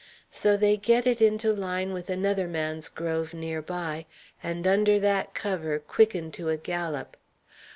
So they get it into line with another man's grove nearer by, and under that cover quicken to a gallop.